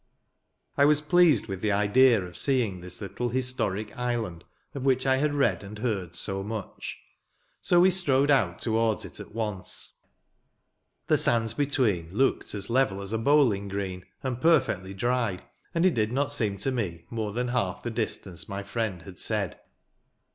I was pleased with the idea of seeing this little historic island, of 9 which I had read and heard so much ; so we strode out towards it at once. The sands between looked as level as a bowling green, and perfectly dry; and it did not seem to me more than half the distance my friend bad said.